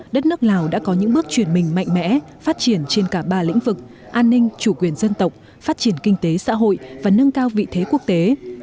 đất nước lào đã có những bước chuyển mình mạnh mẽ phát triển trên cả ba lĩnh vực an ninh chủ quyền dân tộc phát triển kinh tế xã hội và nâng cao vị thế quốc tế